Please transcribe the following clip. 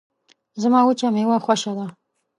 زما وچه میوه خوشه ده